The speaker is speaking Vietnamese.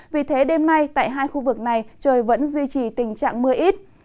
vì thế đêm nay tại hai khu vực này trời vẫn duy trì tình trạng mưa ít